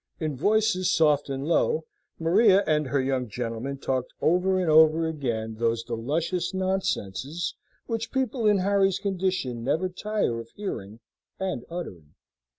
In voices soft and low, Maria and her young gentleman talked over and over again those delicious nonsenses which people in Harry's condition never tire of hearing and uttering.